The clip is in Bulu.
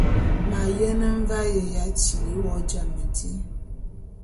M’ ayene mvae ya tili wo jam di.